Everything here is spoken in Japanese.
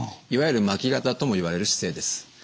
いわゆる巻き肩ともいわれる姿勢です。